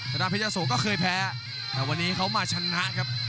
ดาพญาโสก็เคยแพ้แต่วันนี้เขามาชนะครับ